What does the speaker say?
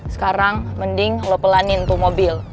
sekarang mending lo pelanin tuh mobil